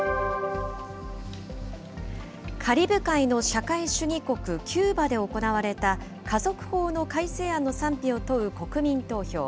カリブ海の社会主義国、キューバで行われた家族法の改正案の賛否を問う国民投票。